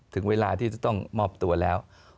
ถึงเวลาที่จะต้องมอบตัวแล้ว